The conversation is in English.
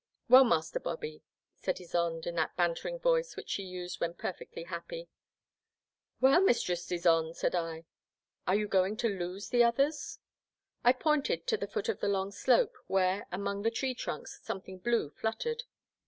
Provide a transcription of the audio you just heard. " WeU, Master Bobby," said Ysonde in that bantering voice which she used when perfectly happy. TTie Black Water. 1 73 Well, Mistress Ysonde,*' said I. Are you going to lose the others ?*' I pointed to the foot of the long slope, where, among the tree trunks, something blue fluttered.